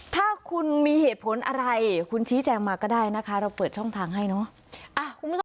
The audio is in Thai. ถ้าคุณมีเหตุผลอะไรคุณชี้แจงมาก็ได้นะคะเราเปิดช่องทางให้เนอะ